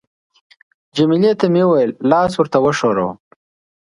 جميله ته مې وویل: لاس ورته وښوروه.